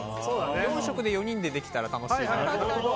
４色で４人でできたら楽しいなと。